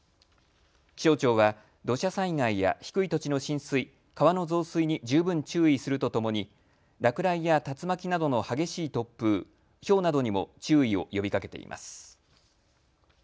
気象庁は土砂災害や低い土地の浸水、川の増水に十分注意するとともに落雷や竜巻などの激しい突風、ひょうなどにも注意を呼びかけています。